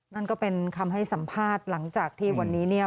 นั่นก็เป็นคำให้สัมภาษณ์หลังจากที่วันนี้เนี่ย